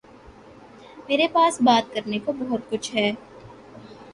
میرے پاس بات کرنے کو بہت کچھ ہے